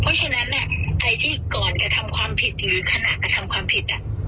เพราะฉะนั้นใครที่ก่อนกระทำความผิดหรือขณะกระทำความผิด